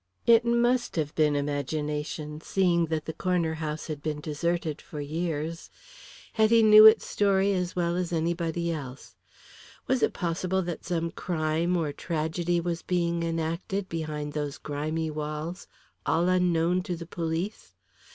It must have been imagination, seeing that the Corner House had been deserted for years. Hetty knew its story as well as anybody else. Was it possible that some crime or tragedy was being enacted behind those grimy walls, all unknown to the police?